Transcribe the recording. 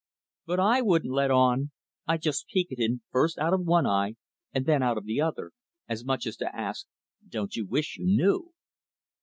But I wouldn't let on. I'd just peek at him, first out of one eye and then out of the other, as much as to ask: "Don't you wish you knew?"